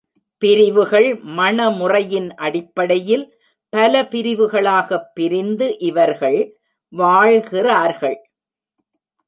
பிரிவுகள் மணமுறையின் அடிப்படையில் பல பிரிவு களாகப் பிரிந்து இவர்கள் வாழ்கிறார்கள்.